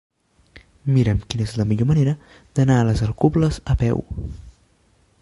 Mira'm quina és la millor manera d'anar a les Alcubles a peu.